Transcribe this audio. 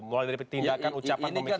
mulai dari tindakan ucapan pemikiran